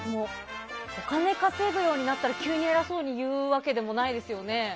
お金稼ぐようになったら急に偉そうに言うわけでもないですよね。